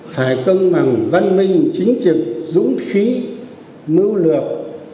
phải công bằng văn minh chính trực dũng khí mưu lược